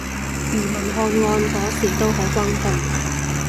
庾文翰案嗰時都好轟動